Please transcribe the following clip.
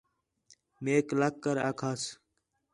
میک لَکھ کر آکھاس